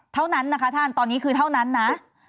เท่านั้นนะคะท่านตอนนี้คือเท่านั้นนะ